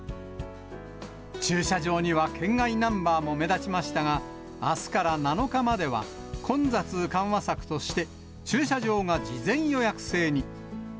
駐車場には県外ナンバーも目立ちましたが、あすから７日までは混雑緩和策として、駐車場が事前予約制に。